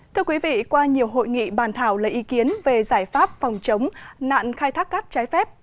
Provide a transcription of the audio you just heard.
thưa quý vị qua nhiều hội nghị bàn thảo lấy ý kiến về giải pháp phòng chống nạn khai thác cát trái phép